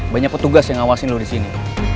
banyak petugas yang ngawasin lo disini